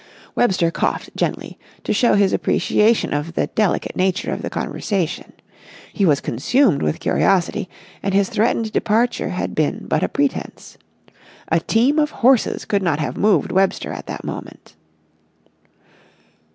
Webster coughed gently, to show his appreciation of the delicate nature of the conversation. He was consumed with curiosity, and his threatened departure had been but a pretence. A team of horses could not have moved Webster at that moment.